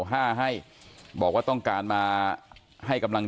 แล้วอันนี้ก็เปิดแล้ว